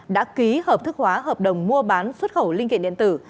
đã ký hợp thức hóa hợp đồng mua bán xuất khẩu linh kiện điện tử